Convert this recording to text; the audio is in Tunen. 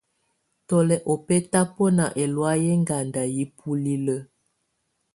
Tù lɛ̀ ɔbɛ̀tabɔna ɛlɔ̀áyɛ yɛ̀ ɛŋganda yi bulilǝ.